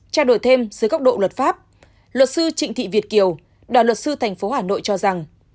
trao đổi thêm dưới góc độ luật pháp luật sư trịnh thị việt kiều đoàn luật sư tp hà nội cho rằng